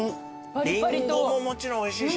リンゴももちろんおいしいし。